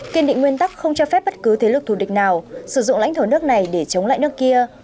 kiên định nguyên tắc không cho phép bất cứ thế lực thù địch nào sử dụng lãnh thổ nước này để chống lại nước kia